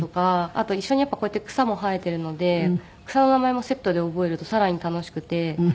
あと一緒にやっぱりこうやって草も生えているので草の名前もセットで覚えるとさらに楽しくて。